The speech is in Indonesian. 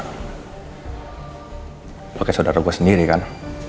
lo kayak saudara gue sendiri kan